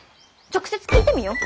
直接聞いてみよう。